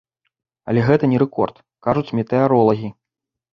Але гэта не рэкорд, кажуць метэаролагі.